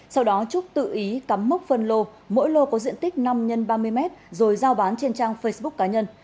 sau đó trúc tự ý cắm mốc phân lô mỗi lô có diện tích năm x ba mươi m rồi giao bán trên trang facebook cá nhân